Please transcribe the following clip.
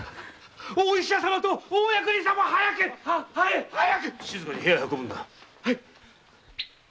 お医者様とお役人様を早く静かに部屋へ運ぶんだ。